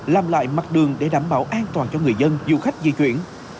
làm lại mặt đường để đảm bảo an toàn cho người dân du khách di chuyển